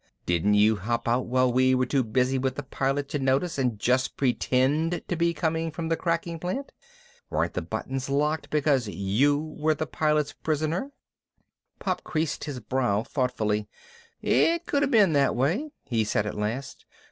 Didn't you hop out while we were too busy with the Pilot to notice and just pretend to be coming from the cracking plant? Weren't the buttons locked because you were the Pilot's prisoner?" Pop creased his brow thoughtfully. "It could have been that way," he said at last.